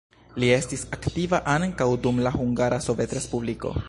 Li estis aktiva ankaŭ dum la Hungara Sovetrespubliko.